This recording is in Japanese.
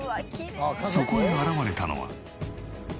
そこに現れたのは。